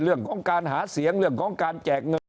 เรื่องของการหาเสียงเรื่องของการแจกเงิน